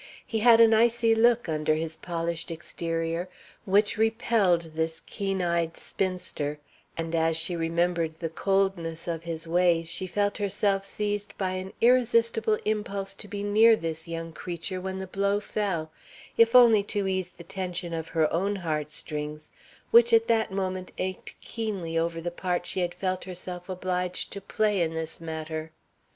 He had an icy look under his polished exterior which repelled this keen eyed spinster, and as she remembered the coldness of his ways, she felt herself seized by an irresistible impulse to be near this young creature when the blow fell, if only to ease the tension of her own heartstrings, which at that moment ached keenly over the part she had felt herself obliged to play in this matter.